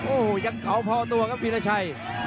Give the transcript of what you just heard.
โอ้โหยังเขาพอตัวครับวีรชัย